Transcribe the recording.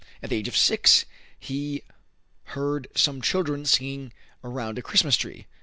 At the age of six he heard some children singing around a Christmas tree.